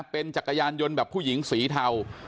เป็นจักรยานยนต์แบบผู้หญิงสีเทา